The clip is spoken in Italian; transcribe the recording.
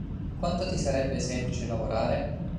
Quanto ti sarebbe semplice lavorare?